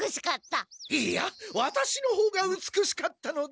いいやワタシのほうがうつくしかったのだ！